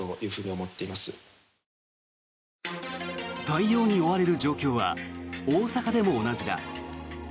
対応に追われる状況は大阪でも同じだ。